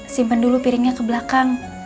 simpan dulu piringnya ke belakang